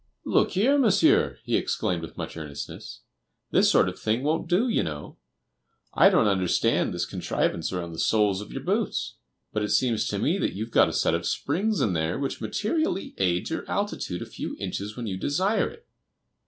"Look here, Monsieur," he exclaimed with much earnestness, "this sort of thing wont do, you know. I don't understand this contrivance around the soles of your boots, but it seems to me you have got a set of springs in there which materially aids your altitude a few inches when you desire it.